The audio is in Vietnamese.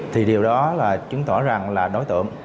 thì điều đó là chứng tỏ rằng là đối tượng